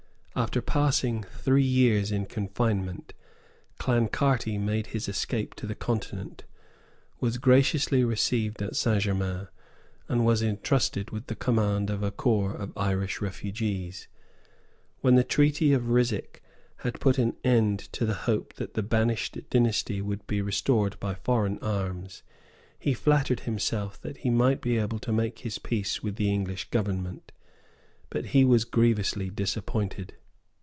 After passing three years in confinement, Clancarty made his escape to the Continent, was graciously received at St. Germains, and was entrusted with the command of a corps of Irish refugees. When the treaty of Ryswick had put an end to the hope that the banished dynasty would be restored by foreign arms, he flattered himself that he might be able to make his peace with the English Government. But he was grievously disappointed.